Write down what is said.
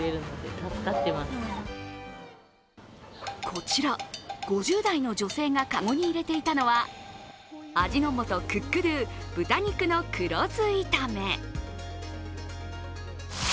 こちら、５０代の女性がかごに入れていたのは、味の素クックドゥ豚肉の黒酢炒め。